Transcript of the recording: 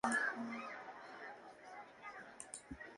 Químicamente es una amida o-sulfobenzoica.